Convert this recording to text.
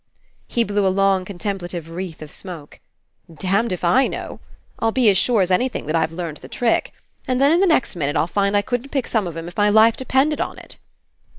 He blew a long contemplative wreath of smoke. "Damned if I know! I'll be as sure as anything that I've learned the trick. And then In the next minute I'll find I couldn't pick some of 'em if my life depended on It."